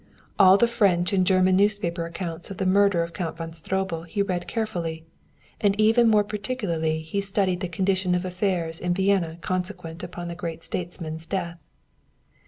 All the French and German newspaper accounts of the murder of Count von Stroebel he read carefully; and even more particularly he studied the condition of affairs in Vienna consequent upon the great statesman's death.